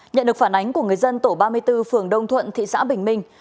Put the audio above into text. nhận được phản ánh của người dân tổ ba mươi bốn phường đông thuận thị xã bình minh